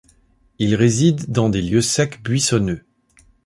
Il réside dans des lieux secs buissonneux.